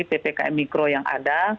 yang melalui ppkm mikro yang ada